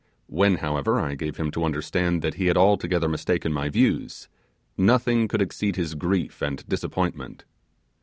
When, however, I gave him to understand that he had altogether mistaken my views, nothing could exceed his grief and disappointment.